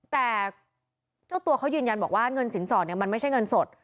แต่เจ้าตัวเขายืนยันบอกว่าเงินสินสอดเนี่ยมันไม่ใช่เงินสด